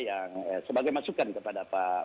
yang sebagai masukan kepada pak